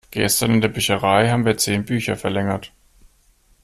Gestern in der Bücherei haben wir zehn Bücher verlängert.